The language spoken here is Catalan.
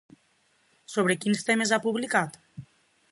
Sobre quins temes ha publicat?